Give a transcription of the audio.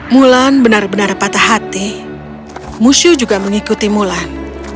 mulan benar benar patah hati musyu juga mengikuti mulan